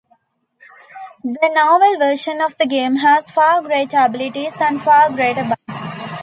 The novel version of the game has far greater abilities and far greater bugs.